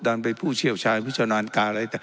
ดันไปเป็นผู้เชี่ยวชายผู้เจ้านานกาอะไร